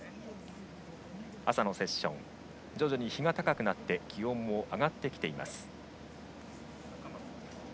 朝のセッション、徐々に日が高くなって気温も上がってきています。